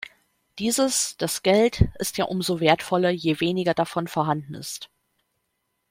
Dieses, das Geld, ist ja um so wertvoller, je weniger davon vorhanden ist.